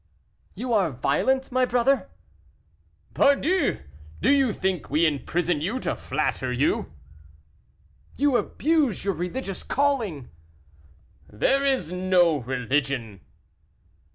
"You are violent, my brother." "Pardieu! do you think we imprison you to flatter you?" "You abuse your religious calling." "There is no religion."